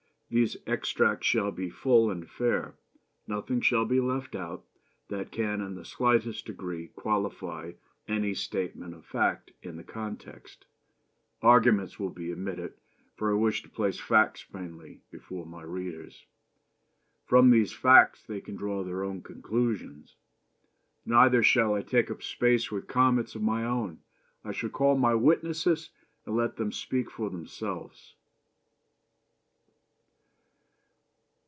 These extracts shall be full and fair. Nothing shall be left out that can in the slightest degree qualify any statement of fact in the context. Arguments will be omitted, for I wish to place facts mainly before my readers. From these facts they can draw their own conclusions. Neither shall I take up space with comments of my own. I shall call my witnesses and let them speak for themselves.